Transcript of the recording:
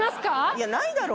いやないだろう。